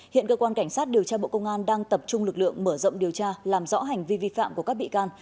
hiện cơ quan cảnh sát điều tra bộ công an đang tập trung lực lượng mở rộng điều tra làm rõ hành vi vi phạm của các bị can